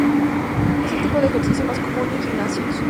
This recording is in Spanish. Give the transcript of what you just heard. Es el tipo de ejercicio más común en gimnasios.